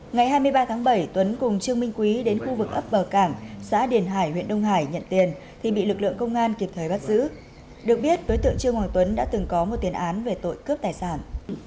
ngày hai mươi ba tháng bảy tuấn cùng trương minh quý đến khu vực ấp bờ cảm xã điển hải huyện đông hải nhận tiền thì bị lực lượng công an kịp thời bắt giữ được biết đối tượng trương hoàng tuấn đã từng có một tiền án về tội cướp tài sản